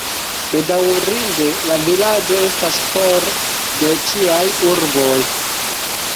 Bedaŭrinde, la vilaĝo estas for de ĉiaj urboj.